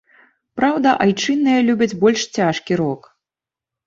Праўда, айчынныя любяць больш цяжкі рок.